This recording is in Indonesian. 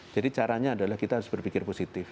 jadi caranya adalah kita harus berpikir positif